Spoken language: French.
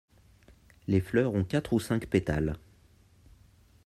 Les fleurs ont quatre ou cinq pétales.